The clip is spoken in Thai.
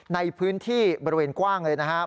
ในพื้นที่บริเวณกว้างเลยนะครับ